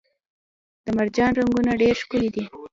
د مرجان رنګونه ډیر ښکلي دي